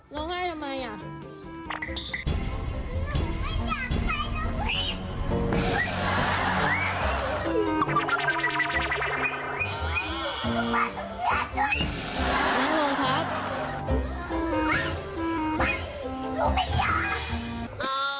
สมัครข่าวเด็ก